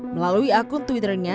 melalui akun twitternya